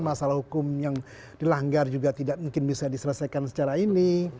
masalah hukum yang dilanggar juga tidak mungkin bisa diselesaikan secara ini